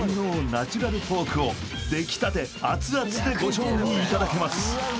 ナチュラルポークをできたて熱々でご賞味いただけます！